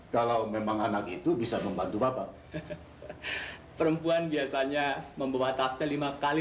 kalau memang anak itu bisa membantu bapak perempuan biasanya membawa taste lima kali